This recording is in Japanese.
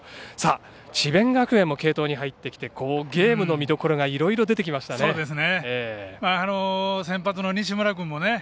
智弁学園も継投に入ってきて、ゲームの見どころがいろいろ出てきましたね。